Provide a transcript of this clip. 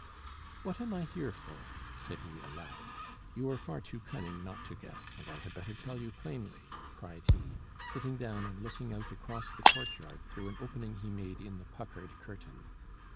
What am I here for?" said he aloud. "You are far too cunning not to guess, and I had better tell you plainly," cried he, sitting down and looking out across the courtyard through an opening he made in the puckered curtain.